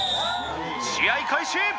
試合開始！